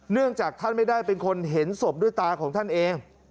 เนื่องจากท่านไม่ได้เป็นคนเห็นศพด้วยตาของท่านเอง